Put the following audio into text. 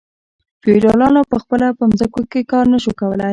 فیوډالانو په خپله په ځمکو کې کار نشو کولی.